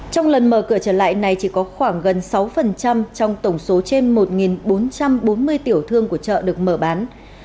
trong lần mở cửa trở lại này chỉ có khoảng gần sáu trong tổng số trên một bốn trăm bốn mươi tiểu thương của chợ được mở bán